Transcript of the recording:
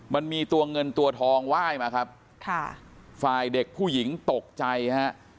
มันมีตัวเงินตัวทองไหว้มาครับค่ะฝ่ายเด็กผู้หญิงตกใจฮะ